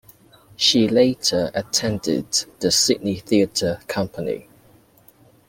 She later attended the Sydney Theatre Company.